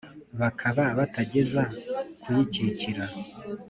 Bakaba batageza kuyikikira